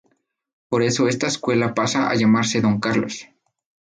Por eso esta escuela pasa a llamarse "Don Carlos".